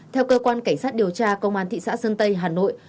theo cơ quan cảnh sát điều tra công an thị xã sơn tây hà nội